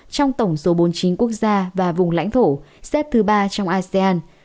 trong tổng số bốn mươi chín quốc gia và vùng lãnh thổ xếp thứ ba trong asean